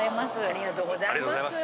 ありがとうございます！